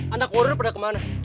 anak warrior udah pada kemana